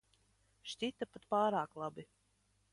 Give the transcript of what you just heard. Šķita pat pārāk labi.